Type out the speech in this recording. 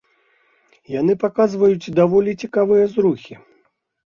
Яны паказваюць даволі цікавыя зрухі.